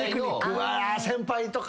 うわ先輩とか？